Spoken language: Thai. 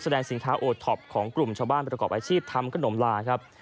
แสดงสินค้าโอท็อปของกลุ่มชาวบ้านประกอบอาชีพทำขนมลาครับ